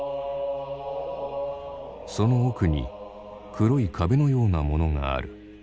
その奥に黒い壁のようなものがある。